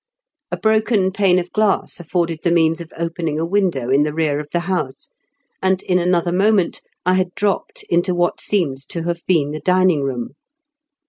A broken pane of glass afforded the means of opening a window in the rear of the house, and in another moment I had dropped into what seemed to have been the dining room.